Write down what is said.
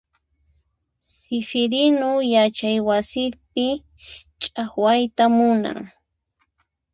Sifirinu yachay wasipi chaqwayta munan.